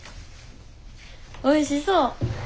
おいしそう。